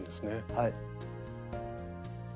はい。